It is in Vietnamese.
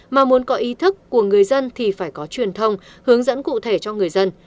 mà muốn có ý thức của người dân thì phải có truyền thông hướng dẫn cụ thể cho người dân